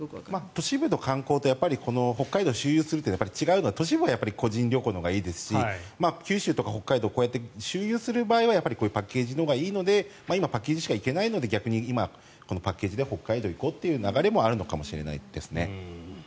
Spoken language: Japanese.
都市部の観光と北海道周遊するって違うのは都市部は個人旅行のほうがいいですし九州とか北海道、周遊する場合はパッケージのほうがいいのでパッケージしか行けないので逆に今パッケージで北海道に行こうという流れもあるのかもしれないですね。